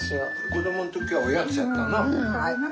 子どもん時はおやつやったな。